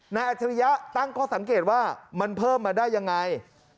อัจฉริยะตั้งข้อสังเกตว่ามันเพิ่มมาได้ยังไง